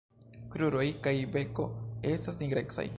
Kruroj kaj beko estas nigrecaj.